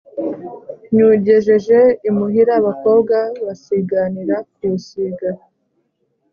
Nywugejeje imuhira abakobwa basiganira kuwusiga,